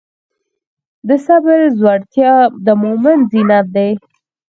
د صبر زړورتیا د مؤمن زینت دی.